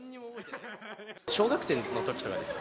小学生のときとかです。